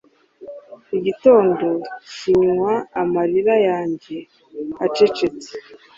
Igitondo kinywa amarira yanjye acecetse,